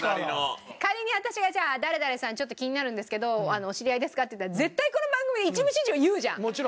仮に私がじゃあ「誰々さんちょっと気になるんですけどお知り合いですか？」って言ったら絶対言わないよ！